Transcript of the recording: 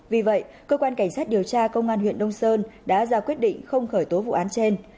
vì vậy cơ quan cảnh sát điều tra công an huyện đông sơn đã ra quyết định không khởi tố vụ án trên